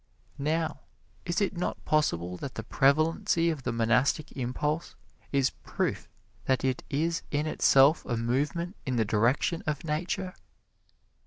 Now, is it not possible that the prevalency of the Monastic Impulse is proof that it is in itself a movement in the direction of Nature?